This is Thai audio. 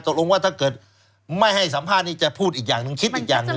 ตกลงว่าถ้าเกิดไม่ให้สัมภาษณ์นี้จะพูดอีกอย่างหนึ่งคิดอีกอย่างหนึ่ง